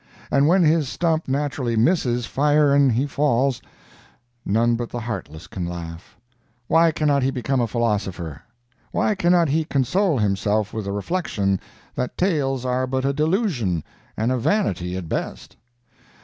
And when his stump naturally misses fire and he falls, none but the heartless can laugh. Why cannot he become a philosopher? Why cannot he console himself with the reflection that tails are but a delusion and a vanity at best.